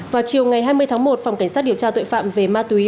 vào chiều ngày hai mươi tháng một phòng cảnh sát điều tra tội phạm về ma túy